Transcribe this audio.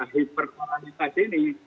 di perkolonitas ini